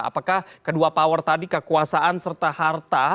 apakah kedua power tadi kekuasaan serta harta